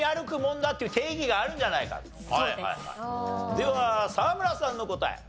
では沢村さんの答え。